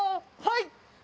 はい！